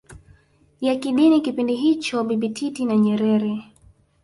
ya kidini kipindi hicho Bibi Titi na Nyerere